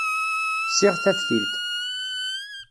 Ssiɣ taftilt.